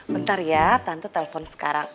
bentar ya tante telpon sekarang